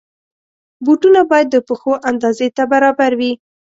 بوټونه باید د پښو اندازې ته برابر وي.